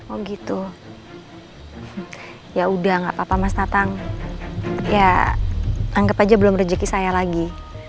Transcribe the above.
oh gitu ya udah gak apa apa mas datang ya anggap aja belum rezeki saya lagi